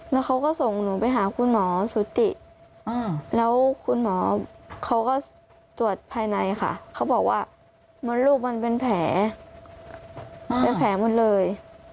แล้วเขาก็ส่งหนูไปหาคุณหมอสุติแล้วคุณหมอเขาก็ตรวจภายในค่ะเขาบอกว่ามดลูกมันเป็นแผลเป็นแผลหมดเลย